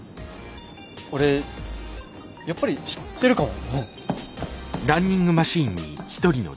俺やっぱり知ってるかも。